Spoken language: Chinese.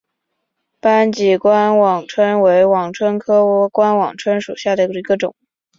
斑脊冠网蝽为网蝽科冠网蝽属下的一个种。